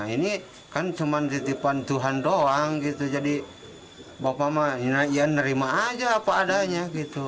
ini kan cuma titipan tuhan doang gitu jadi bapak mah ya nerima aja apa adanya gitu